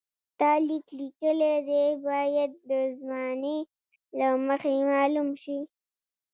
تا لیک لیکلی دی باید د زمانې له مخې معلوم شي.